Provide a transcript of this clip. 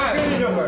これ。